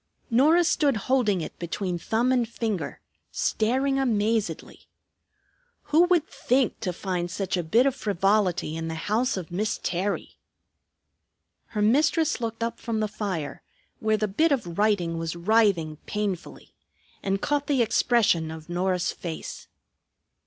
Norah stood holding it between thumb and finger, staring amazedly. Who would think to find such a bit of frivolity in the house of Miss Terry! Her mistress looked up from the fire, where the bit of writing was writhing painfully, and caught the expression of Norah's face.